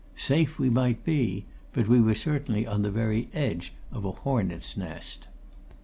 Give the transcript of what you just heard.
Safe we might be but we were certainly on the very edge of a hornet's nest.